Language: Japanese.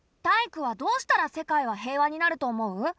タイイクはどうしたら世界は平和になると思う？